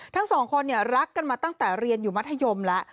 ทั้งสองคนรักกันมาตั้งแต่เรียนอยู่มัธยมแล้ว